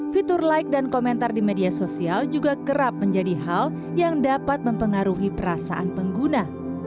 fitur like dan komentar di media sosial juga kerap menjadi hal yang dapat mempengaruhi perasaan pengguna